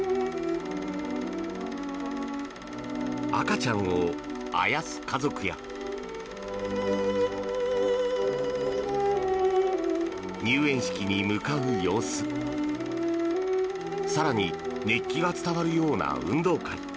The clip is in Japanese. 赤ちゃんをあやす家族や入園式に向かう様子更に熱気が伝わるような運動会。